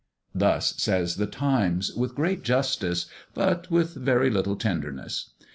Thus says "The Times," with great justice, but with very little tenderness.